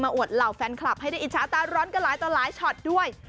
อวดเหล่าแฟนคลับให้ได้อิจฉาตาร้อนกันหลายต่อหลายช็อตด้วย